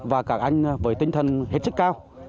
và các anh với tinh thần hết sức cao